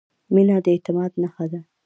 • مینه د اعتماد نښه ده.